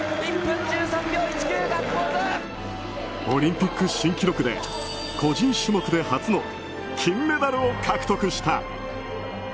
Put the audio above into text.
オリンピック新記録で個人種目で初の金メダルを獲得した。